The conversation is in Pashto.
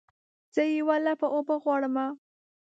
زه یوه لپه اوبه غواړمه